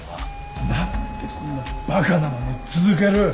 なんでこんな馬鹿なまねを続ける？